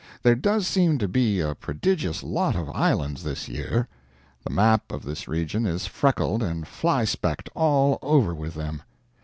There does seem to be a prodigious lot of islands this year; the map of this region is freckled and fly specked all over with them.